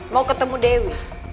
mau ketemu dewi